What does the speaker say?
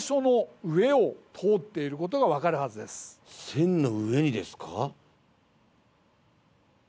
線の上にですか？